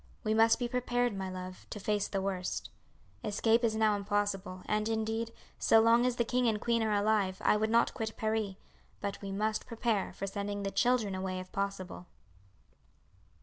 "We must be prepared, my love, to face the worst. Escape is now impossible, and, indeed, so long as the king and queen are alive I would not quit Paris; but we must prepare for sending the children away if possible."